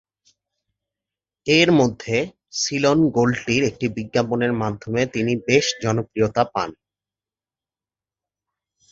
এর মধ্যে "সিলন গোল্ড টি"'র একটি বিজ্ঞাপনের মাধ্যমে তিনি বেশ জনপ্রিয়তা পান।